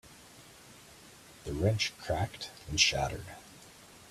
The wrench cracked and shattered.